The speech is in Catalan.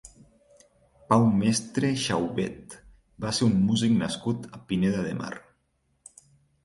Pau Mestre Xaubet va ser un músic nascut a Pineda de Mar.